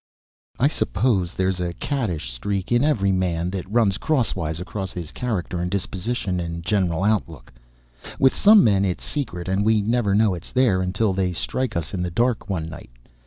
I suppose that there's a caddish streak in every man that runs crosswise across his character and disposition and general outlook. With some men it's secret and we never know it's there until they strike us in the dark one night.